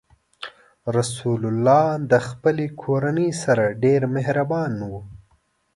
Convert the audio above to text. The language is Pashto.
رسول الله ﷺ د خپلې کورنۍ سره ډېر مهربان و.